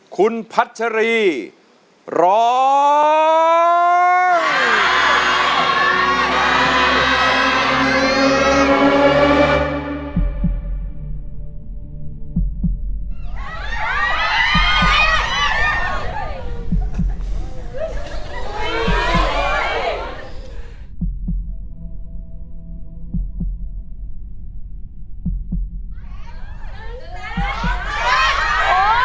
คุณพัชรีร้อง